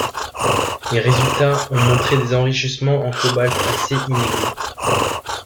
Les résultats ont montré des enrichissements en cobalt assez inégaux.